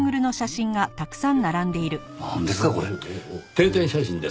定点写真です。